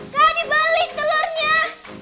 kak dibeli telurnya